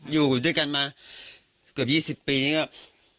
อยู่ด้วยกันมาเกือบ๒๐ปีนี่ก็